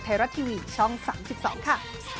แบบนี้เลยเหรอ